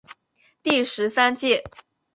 第十三届